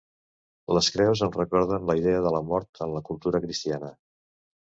Les creus em recorden la idea de la mort en la cultura cristiana.